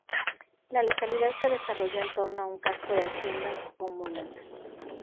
La localidad se desarrolló en torno a un casco de hacienda homónima.